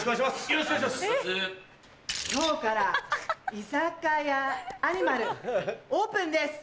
今日から「居酒屋アニマル」オープンです！